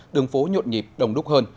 đường phố nhuộn nhịp đồng đúc hơn